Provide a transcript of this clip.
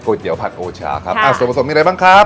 เตี๋ยผัดโอชาครับอ่าส่วนผสมมีอะไรบ้างครับ